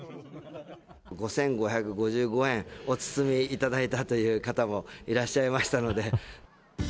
５５５５円、お包みいただいたという方もいらっしゃいましたので。